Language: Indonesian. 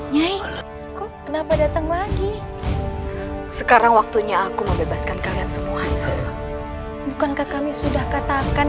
nyai kenapa datang lagi sekarang waktunya aku mau bebaskan kalian semua bukankah kami sudah katakan